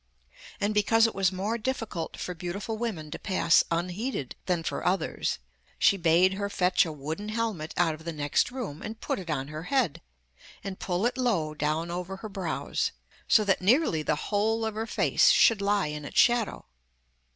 And because it was more difficult for beautiful women to pass unheeded than for others, she bade her fetch a wooden helmet out of the next room, and put it on her head, and pull it low down over her brows, so that nearly the whole of her face should lie in its shadow.